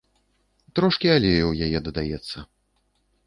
Трошкі алею ў яе дадаецца.